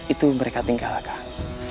itu mereka tinggalkan